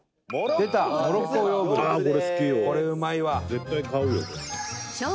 絶対買うよこれ。